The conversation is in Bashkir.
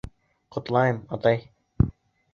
Ҡотлайым, атай.